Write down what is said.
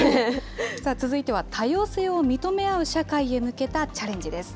さあ続いては、多様性を認め合う社会へ向けたチャレンジです。